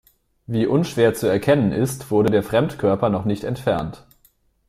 Wie unschwer zu erkennen ist, wurde der Fremdkörper noch nicht entfernt.